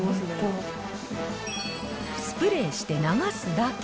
スプレーして流すだけ。